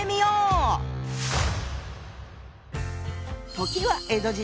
時は江戸時代。